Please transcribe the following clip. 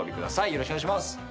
よろしくお願いします。